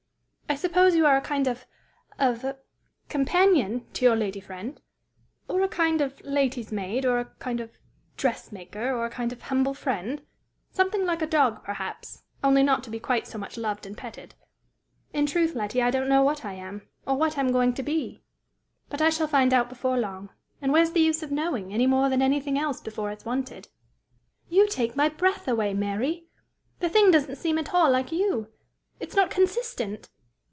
"I suppose you are a kind of of companion to your lady friend?" "Or a kind of lady's maid, or a kind of dressmaker, or a kind of humble friend something like a dog, perhaps only not to be quite so much loved and petted; In truth, Letty, I do not know what I am, or what I am going to be; but I shall find out before long, and where's the use of knowing, any more than anything else before it's wanted?" "You take my breath away, Mary! The thing doesn't seem at all like you! It's not consistent!